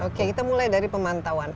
oke kita mulai dari pemantauan